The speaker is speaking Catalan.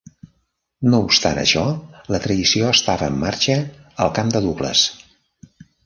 No obstant això, la traïció estava en marxa, al camp de Douglas.